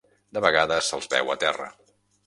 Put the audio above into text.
De vegades se'ls veu a terra.